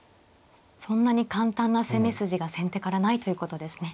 そんなに簡単な攻め筋が先手からないということですね。